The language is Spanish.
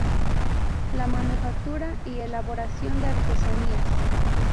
La manufactura y elaboración de artesanías.